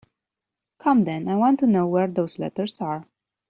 Come, then, I want to know where those letters are.